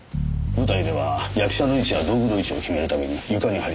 舞台では役者の位置や道具の位置を決めるために床に貼ります。